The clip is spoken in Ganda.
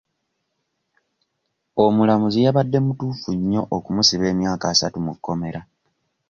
Omulamuzi yabadde mutuufu nnyo okumusiba emyaka asatu mu kkomera.